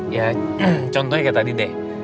ya contohnya tadi deh